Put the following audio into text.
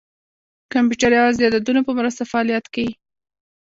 کمپیوټر یوازې د عددونو په مرسته فعالیت کوي.